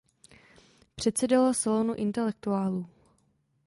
Předsedala salonu intelektuálů.